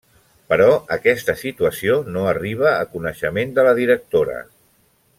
Però aquesta situació no arriba a coneixement de la directora.